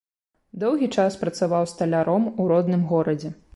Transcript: Доўгі час працаваў сталяром у родным горадзе.